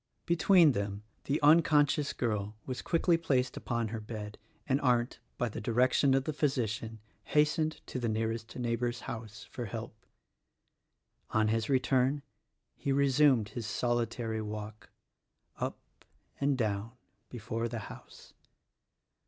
Between them the unconscious girl was quickly placed upon her bed, and Arndt, by the direction of the physician, hastened to the nearest neighbor's house for help. On his return he resumed his solitary walk ; up and down before the house.